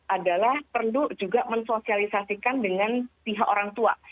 adalah perlu juga mensosialisasikan dengan pihak orang tua